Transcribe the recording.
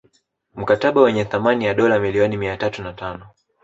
Mkataba wenye thamani ya dola milioni mia tatu na tano